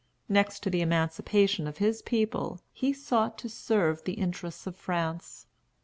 Next to the emancipation of his people, he sought to serve the interests of France.